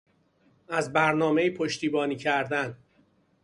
از برنامهای پشتیبانی کردن